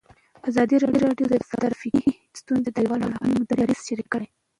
ازادي راډیو د ټرافیکي ستونزې د نړیوالو نهادونو دریځ شریک کړی.